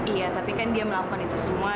iya tapi kan dia melakukan itu semua